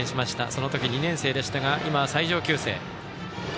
その時、２年生でしたが今は最上級生。